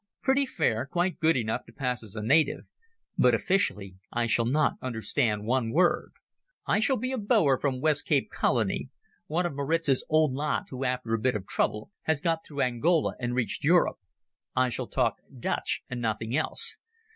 "Pretty fair; quite good enough to pass as a native. But officially I shall not understand one word. I shall be a Boer from Western Cape Colony: one of Maritz's old lot who after a bit of trouble has got through Angola and reached Europe. I shall talk Dutch and nothing else.